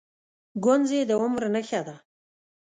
گونځې د عمر نښه ده.